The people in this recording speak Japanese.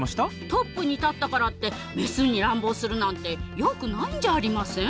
トップに立ったからってメスに乱暴するなんてよくないんじゃありません？